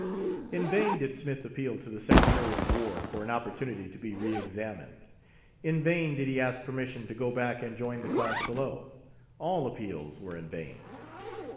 "In vain did Smith appeal to the Secretary of War for an opportunity to be re examined; in vain did he ask permission to go back and join the class below all appeals were in vain.